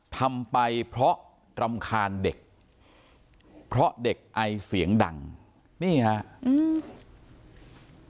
ทำไปเพราะรำคาญเด็กเพราะเด็กไอเสียงดังนี่ฮะอืม